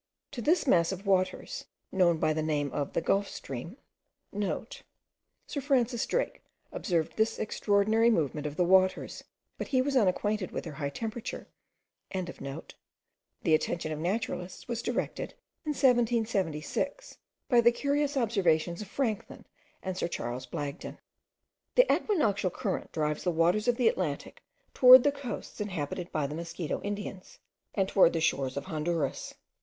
To this mass of waters, known by the name of the Gulf stream,* (* Sir Francis Drake observed this extraordinary movement of the waters, but he was unacquainted with their high temperature.) the attention of naturalists was directed in 1776 by the curious observations of Franklin and Sir Charles Blagden. The equinoctial current drives the waters of the Atlantic towards the coasts inhabited by the Mosquito Indians, and towards the shores of Honduras.